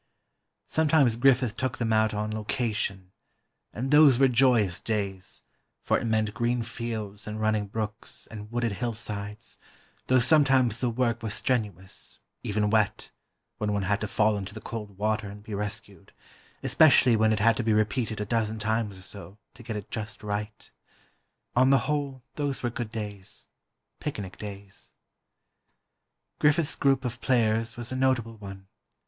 Sometimes Griffith took them out "on location," and those were joyous days, for it meant green fields and running brooks, and wooded hillsides, though sometimes the work was strenuous, even wet, when one had to fall into the cold water and be rescued, especially when it had to be repeated a dozen times or so, to get it just right. On the whole, those were good days—picnic days. Griffith's group of players was a notable one.